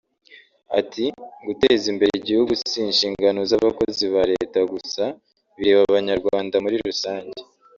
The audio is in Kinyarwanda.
Ati “guteza imbere igihugu si inshingano z’abakozi ba Leta gusa bireba Abanyarwanda muri rusange